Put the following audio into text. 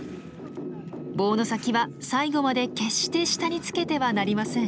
棒の先は最後まで決して下につけてはなりません。